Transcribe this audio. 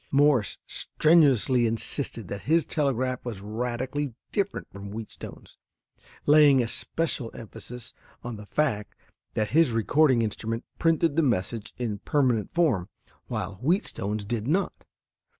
Morse strenuously insisted that his telegraph was radically different from Wheatstone's, laying especial emphasis on the fact that his recording instrument printed the message in permanent form, while Wheatstone's did not.